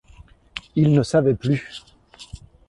Il ne savait plus.